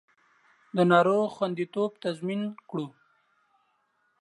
د ناروغ خوندیتوب تضمین کړو